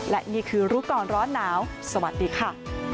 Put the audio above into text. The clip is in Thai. และนี่คือรู้ก่อนร้อนหนาวสวัสดีค่ะ